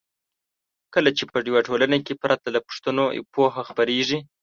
کله چې په یوه ټولنه کې پرته له پوښتنو پوهه خپریږي.